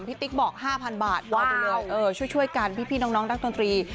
พี่ติ๊กบอก๕๐๐๐บาทช่วยกันพี่น้องนักดนตรี